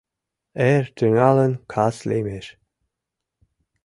Эр тӱҥалын кас лиймеш